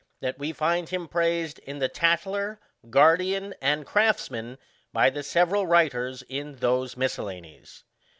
f that we find him praised in the Tatler, Guardian^ and Craftsman, by the several writers in those mis cellanies.